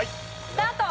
スタート！